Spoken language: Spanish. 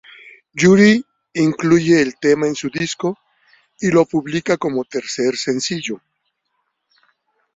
Yuri incluye el tema en su disco y lo publica como tercer sencillo.